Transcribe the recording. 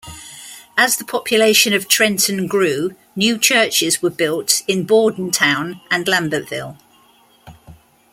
As the population of Trenton grew, new churches were built in Bordentown and Lambertville.